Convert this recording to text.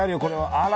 あら。